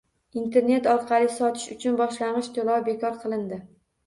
Internet orqali sotish uchun boshlang'ich to'lov bekor qilindi;